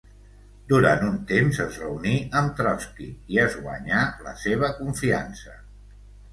Durant un temps, es reuní amb Trotski i es guanyà la seva confiança.